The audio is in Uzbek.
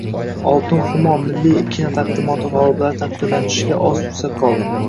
“Oltin Humo” milliy kinotaqdimoti g‘oliblari taqdirlanishiga oz fursat qolding